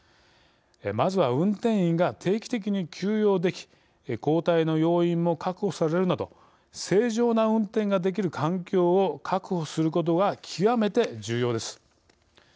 まずは運転員が定期的に休養でき交代の要員も確保されるなど正常な運転ができる環境を確保することが極めて重要です。